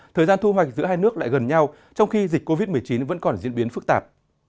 thời gian thu hoạch giữa hai nước lại gần nhau trong khi dịch covid một mươi chín vẫn còn diễn biến phức tạp